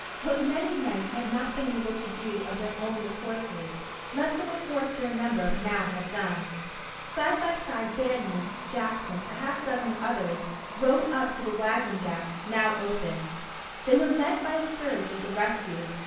What many men had not been able to do of their own resources, less than a fourth their number now had done. Side by side Banion, Jackson, a half dozen others, rode up to the wagon gap, now opened. They were met by a surge of the rescued.